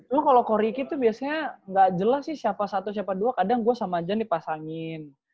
lo kalau ko riki tuh biasanya nggak jelas sih siapa satu siapa dua kadang gue sama jan dipasangin